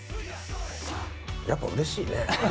やっぱうれしいね。